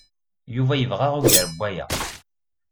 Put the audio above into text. Yuba yebɣa ugar n waya.